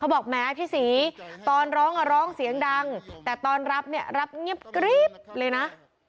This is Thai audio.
บอกแหมพี่ศรีตอนร้องอ่ะร้องร้องเสียงดังแต่ตอนรับเนี่ยรับเงียบกริ๊บเลยนะ